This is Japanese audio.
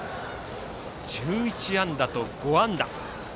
１１安打と５安打。